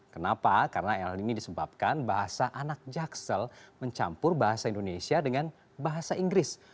kenapa karena el ini disebabkan bahasa anak jaksel mencampur bahasa indonesia dengan bahasa inggris